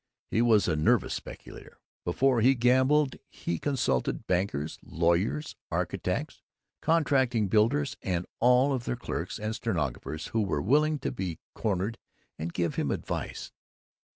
He was a nervous speculator. Before he gambled he consulted bankers, lawyers, architects, contracting builders, and all of their clerks and stenographers who were willing to be cornered and give him advice.